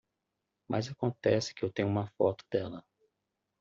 Mas acontece que eu tenho uma foto dela.